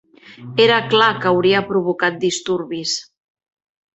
Era clar que hauria provocat disturbis.